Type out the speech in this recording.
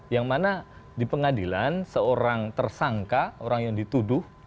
yang mana di pengadilan seorang tersangka orang yang dituduh